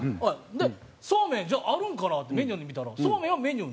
でそうめんじゃああるんかな？ってメニュー見たらそうめんはメニューにないんです。